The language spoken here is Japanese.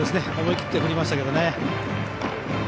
思い切って振りましたけど。